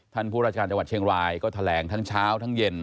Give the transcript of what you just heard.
ผู้ราชการจังหวัดเชียงรายก็แถลงทั้งเช้าทั้งเย็น